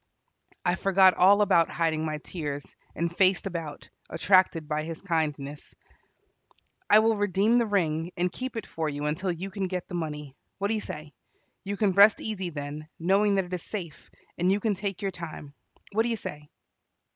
I forgot all about hiding my tears, and faced about, attracted by his kindness. "I will redeem the ring, and keep it for you until you can get the money. What do you say? You can rest easy then, knowing that it is safe, and you can take your time. What do you say?"